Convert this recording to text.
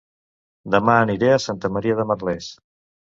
Dema aniré a Santa Maria de Merlès